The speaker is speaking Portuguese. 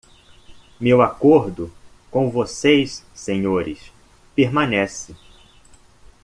Meu acordo com vocês senhores permanece!